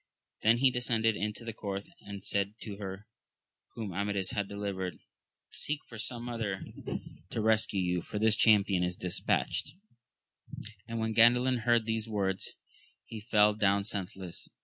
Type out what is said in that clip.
Then he descended into the court, and said to her whom Amadis had delivered, Seek fox aom^ o\Js\st \i<^ x'^^as^'^ I V 122 AMADIS OF GAUL. jda; for this champion is dispatched. And when Oandalin heard these words, he fell down senseless.